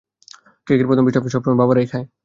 কেকের প্রথম পিসটা সবসময় বাবারাই খায়!